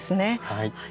はい。